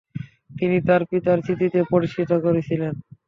তিনি তার পিতার স্মৃতিতে প্রতিষ্ঠা করেছিলেন।